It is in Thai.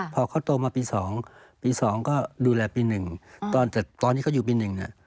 พอเขาโตมาปีสองปีสองก็ดูแลปีหนึ่งแต่ตอนที่เขาอยู่ปีหนึ่งเนี่ย